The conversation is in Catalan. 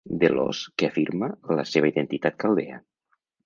De l'ós que afirma la seva identitat caldea.